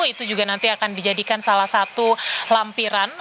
itu juga nanti akan dijadikan salah satu lampiran